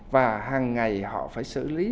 và hàng ngày họ phải xử lý